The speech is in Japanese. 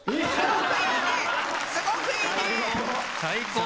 最高！